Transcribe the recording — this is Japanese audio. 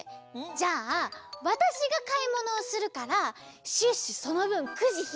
じゃあわたしがかいものをするからシュッシュそのぶんくじひいていいよ。